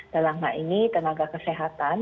dalam hal ini tenaga kesehatan